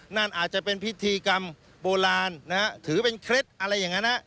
นั่นอาจจะเป็นพิธีกรรมโบราณนะฮะถือเป็นเคล็ดอะไรอย่างนั้น